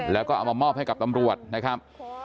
แล้วก็เอามามอบให้กับตำรวจนะครับ